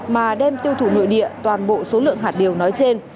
mà đem tiêu thụ nội địa toàn bộ số lượng hạt điều nói trên